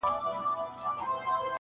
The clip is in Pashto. • ملا غاړي كړې تازه يو څه حيران سو -